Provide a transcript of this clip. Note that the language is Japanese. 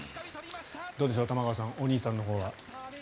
どうでしょう、玉川さんお兄さんのほうは。